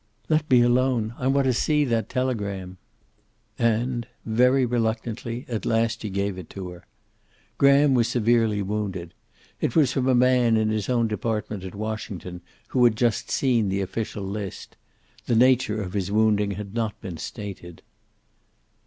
"Let me alone. I want to see that telegram." And, very reluctantly, at last he gave it to her. Graham was severely wounded. It was from a man in his own department at Washington who had just seen the official list. The nature of his wounding had not been stated.